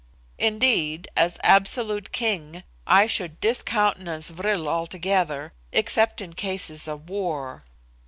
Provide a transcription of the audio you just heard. Indeed, as absolute king, I should discountenance vril altogether, except in cases of war.